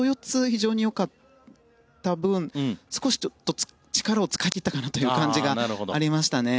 非常に良かった分少し力を使い切ったかなという感じがありましたね。